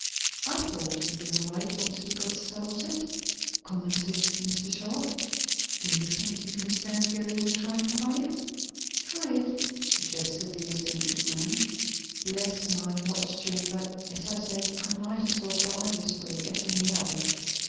"I thought you'd be all right once we got started," commented Mr. Sharp. "Do you think you can stand going a trifle higher?" "Try it," suggested the eccentric man. "Bless my watch chain, but, as I said, I might as well die this way as any other.